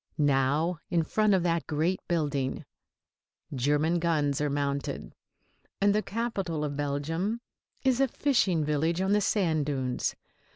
Now in front of that great building German guns are mounted, and the capital of Belgium is a fishing village on the sand dunes.